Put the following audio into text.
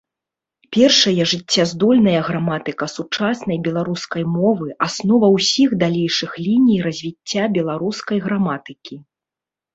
Першая жыццяздольная граматыка сучаснай беларускай мовы, аснова ўсіх далейшых ліній развіцця беларускай граматыкі.